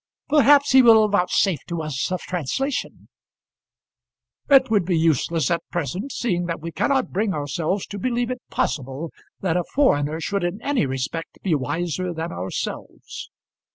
"Perhaps he will vouchsafe to us a translation." "It would be useless at present, seeing that we cannot bring ourselves to believe it possible that a foreigner should in any respect be wiser than ourselves.